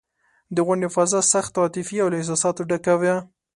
د غونډې فضا سخته عاطفي او له احساساتو ډکه وه.